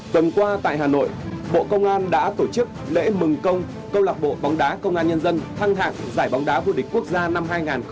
tuần qua tại hà nội bộ công an đã tổ chức lễ mừng công lạc bộ bóng đá công an nhân dân thăng hạng giải bóng đá vô địch quốc gia năm hai nghìn hai mươi ba